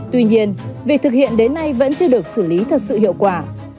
tuy nhiên việc thực hiện đến nay vẫn chưa được xử lý thật sự hiệu quả